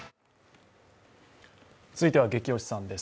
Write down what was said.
続いてはゲキ推しさんです。